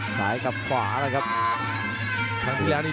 ซ้ายกับขวาครับ